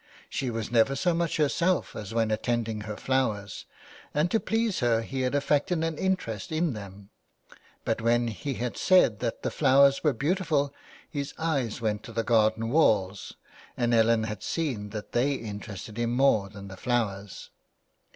She was never so much herself as when attending her flowers, and to please her he had affected an interest in them, but when he had said that the flowers were beautiful his eyes went to the garden walls and Ellen had seen that they interested him more than the flowers.